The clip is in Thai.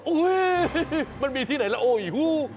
โอ้เฮ้มันมีที่ไหนละโออิฮู้